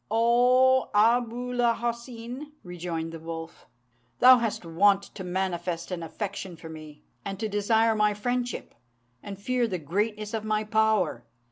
'" "O Abu l Hoseyn!" rejoined the wolf, "thou wast wont to manifest an affection for me, and to desire my friendship, and fear the greatness of my power.